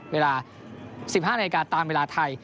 เวลา๑๕นาฬิกาตามเวลาไทย